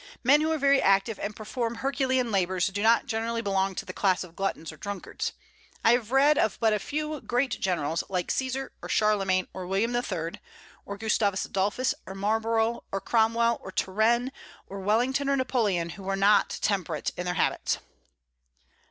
Men who are very active and perform herculean labors, do not generally belong to the class of gluttons or drunkards. I have read of but few great generals, like Caesar, or Charlemagne, or William III., or Gustavus Adolphus, or Marlborough, or Cromwell, or Turenne, or Wellington, or Napoleon, who were not temperate in their habits.